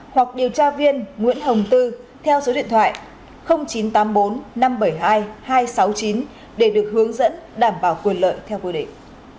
hai nghìn bốn mươi ba tám trăm năm mươi bốn sáu trăm sáu mươi sáu hoặc điều tra viên nguyễn hồng tư theo số điện thoại chín trăm tám mươi bốn năm trăm bảy mươi hai hai trăm sáu mươi chín để được hướng dẫn đảm bảo quyền lợi theo quy định